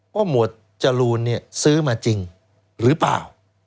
หมวดจรูนเนี่ยซื้อมาจริงหรือเปล่า